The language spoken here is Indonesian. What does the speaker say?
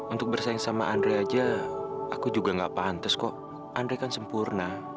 untuk bersaing sama andre aja aku juga gak pantes kok andre kan sempurna